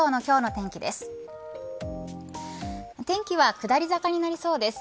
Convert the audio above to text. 天気は下り坂になりそうです。